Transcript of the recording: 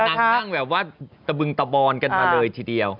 นั่งตั้งแบบว่าตะบึงตะบอนกันมาเลยทีเดียว